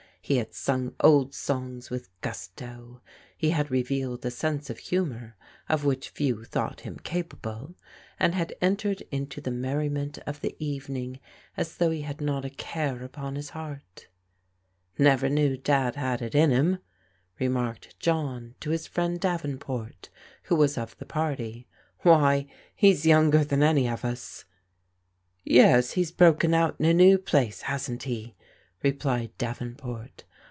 He had sung old songs with gusto. He had revealed a sense of humour of which few thought him capable, and had entered into the merriment of the evening as though he had not a care upon his heart. " Never knew Dad had it in him," remarked John to his friend Davenport who was of the party. " Why, he's younger than any of us." "Yes, he's broken out in a new place, hasn't he?" replied Davenport.